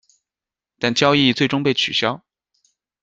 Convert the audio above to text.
但交易最终被取消。